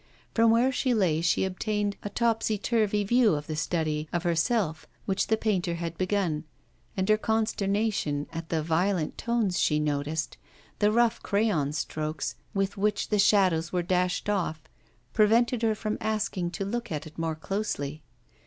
From where she lay she obtained a topsy turvy view of the study of herself which the painter had begun, and her consternation at the violent tones she noticed, the rough crayon strokes, with which the shadows were dashed off, prevented her from asking to look at it more closely.